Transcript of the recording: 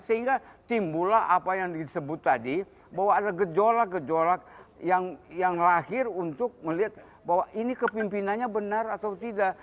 sehingga timbulah apa yang disebut tadi bahwa ada gejolak gejolak yang lahir untuk melihat bahwa ini kepimpinannya benar atau tidak